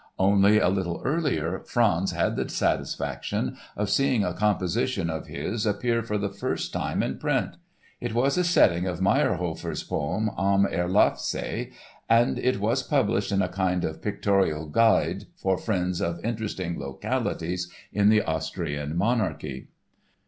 Only a little earlier Franz had the satisfaction of seeing a composition of his appear for the first time in print! It was a setting of Mayrhofer's poem Am Erlafsee and it was published in a kind of pictorial guide "For Friends of Interesting Localities in the Austrian Monarchy."